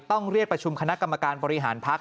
ต้องเรียกประชุมคณะกรรมการบริหารพักษ